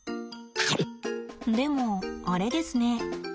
でもあれですね。